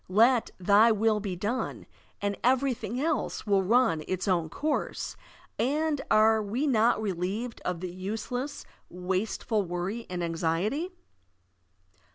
Let "thy will be done, and everything else will run its own course, and are we not relieved of the useless, wasteful worry and anxiety?